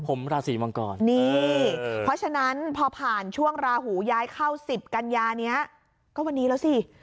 เพราะฉะนั้นพอผ่านช่วงราหูย้ายเข้า๑๐กันยานี้ก็วันนี้แล้วสิ